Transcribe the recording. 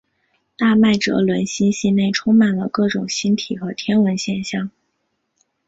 大麦哲伦星系内充满了各种星体和天文现象。